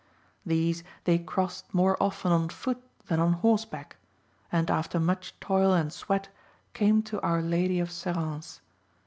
These they crossed more often on foot than on horseback, and after much toil and sweat came to Our Lady of Serrance.